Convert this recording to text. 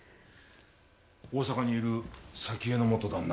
大阪にいる沙希江の元旦那